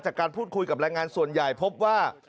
จากการพูดคุยกับแรงงานส่วนใหญ่พบว่า